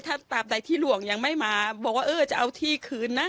ถ้าตามใดที่หลวงยังไม่มาบอกว่าเออจะเอาที่คืนนะ